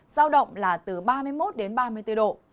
giao động là từ ba mươi một đến ba mươi bốn độ